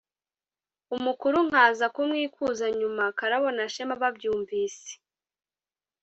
umukuru nkaza kumwikuza nyuma?” Karabo na Shema babyumvise